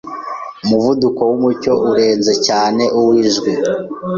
Umuvuduko wumucyo urenze cyane uw'ijwi.